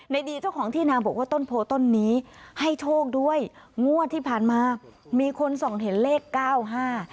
ดีเจ้าของที่นาบอกว่าต้นโพต้นนี้ให้โชคด้วยงวดที่ผ่านมามีคนส่องเห็นเลขเก้าห้า